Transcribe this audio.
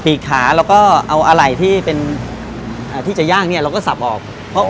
ปีกขาเราก็เอาอะไหล่ที่เป็นที่จะย่างเราก็สับออก